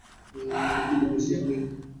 দুঃখিত, Mrs Li.